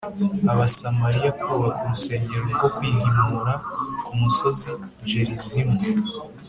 Abasamariya bubaka urusengero rwo kwihimura ku musozi Gerizimu